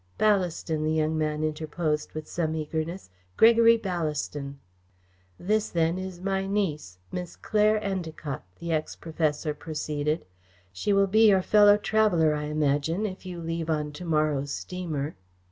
"Ballaston," the young man interposed, with some eagerness, "Gregory Ballaston." "This, then, is my niece, Miss Claire Endacott," the ex professor proceeded. "She will be your fellow traveller, I imagine, if you leave on to morrow's steamer."